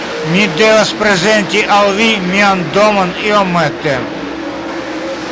Mi devas prezenti al vi mian domon iomete.